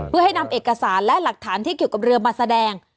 เพื่อให้นำเอกสารและหลักฐานที่เกี่ยวกับเรือมาแสดง